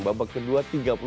babak kedua tiga puluh satu